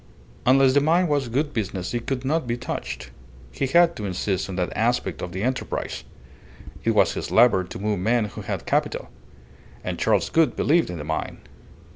Unless the mine was good business it could not be touched. He had to insist on that aspect of the enterprise. It was his lever to move men who had capital. And Charles Gould believed in the mine.